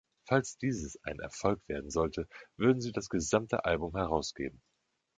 Falls dieses ein Erfolg werden sollte, würden sie das gesamte Album herausgeben.